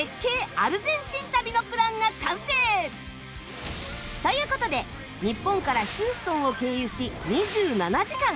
アルゼンチン旅のプランが完成。という事で日本からヒューストンを経由し２７時間